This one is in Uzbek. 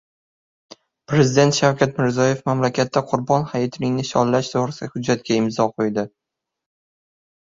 Prezidenti Shavkat Mirziyoev mamlakatda Qurbon hayitini nishonlash to‘g‘risidagi hujjatga imzo qo‘ydi